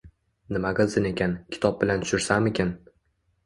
Nima qilsin ekan, kitob bilan tushirsamikin